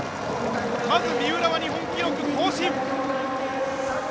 まず、三浦は日本記録更新！